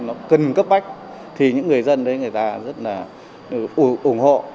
nó cần cấp bách thì những người dân đấy người ta rất là ủng hộ